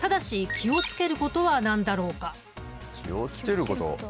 気を付けること？